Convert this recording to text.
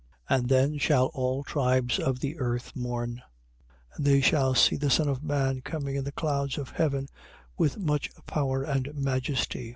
And then shall all tribes of the earth mourn: and they shall see the Son of man coming in the clouds of heaven with much power and majesty.